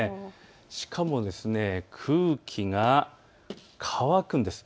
しかも空気が乾くんです。